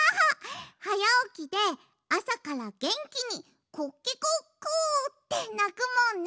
はやおきであさからげんきにコケコッコってなくもんね。